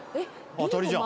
当たりじゃん」